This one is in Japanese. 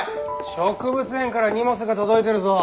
植物園から荷物が届いてるぞ！